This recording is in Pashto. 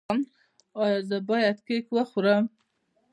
ایا زه باید کیک وخورم؟